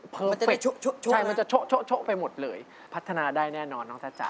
มันจะได้โช๊ะนะครับใช่มันจะโช๊ะไปหมดเลยพัฒนาได้แน่นอนน้องจ้าจ้า